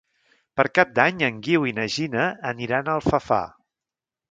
Per Cap d'Any en Guiu i na Gina aniran a Alfafar.